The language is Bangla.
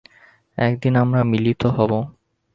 একদিন আমরা মিলিত হবো।